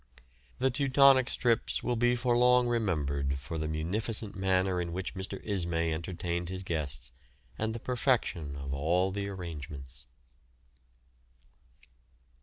The "Teutonic's" trips will be for long remembered for the munificent manner in which Mr. Ismay entertained his guests, and the perfection of all the arrangements.